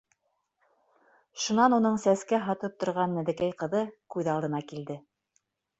Шунан уның сәскә һатып торған нәҙекәй ҡыҙы күҙ алдына килде.